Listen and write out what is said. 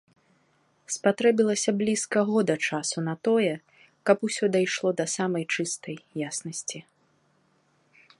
Спатрэбілася блізка года часу на тое, каб усё дайшло да самай чыстай яснасці.